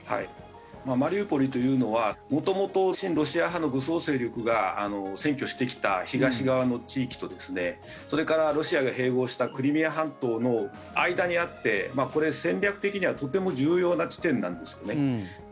マリウポリというのは元々、親ロシア派の武装勢力が占拠してきた東側の地域とそれからロシアが併合したクリミア半島の間にあって戦略的にはとても重要な地点なんですね。